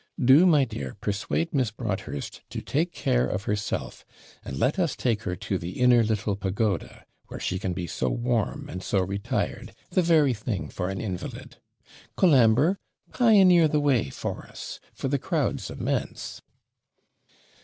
Do, my dear, persuade Miss Broadhurst to take care of herself, and let us take her to the inner little pagoda, where she can be so warm and so retired the very thing for an invalid. Colambre! pioneer the way for us, for the crowd's immense.'